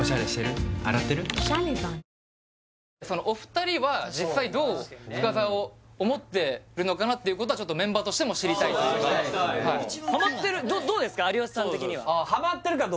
お二人は実際どう深澤を思ってるのかなっていうことはちょっとメンバーとしても知りたいああなるほどねハマってる？